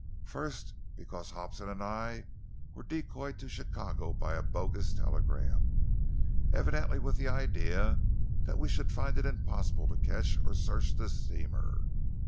"First, because Hobson and I were decoyed to Chicago by a bogus telegram, evidently with the idea that we should find it impossible to catch or search this steamer.